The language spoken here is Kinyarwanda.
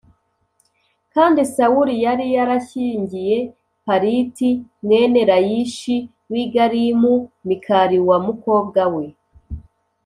Kandi Sawuli yari yarashyingiye Paliti mwene Layishi w’i Galimu Mikali wa mukobwa we